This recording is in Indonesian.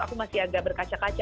aku masih agak berkaca kaca